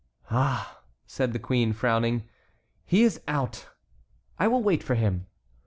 "Ah!" said the queen, frowning, "he is out! I will wait for him."